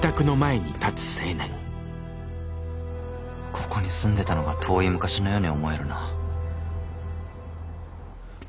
ここに住んでたのが遠い昔のように思えるな。